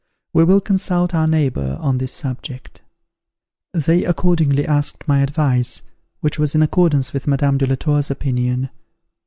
We will consult our neighbour on this subject." They accordingly asked my advice, which was in accordance with Madame de la Tour's opinion.